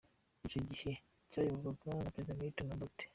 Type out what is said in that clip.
Icyo gihe cyayoborwaga na Perezida Milton Obote.